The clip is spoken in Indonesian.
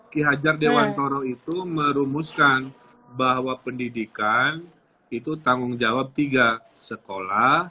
ki hajar dewan toro itu merumuskan bahwa pendidikan itu tanggung jawab semua pihak yang ada di sekolah ini